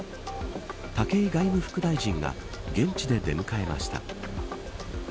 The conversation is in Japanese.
武井外務副大臣が現地で出迎えました。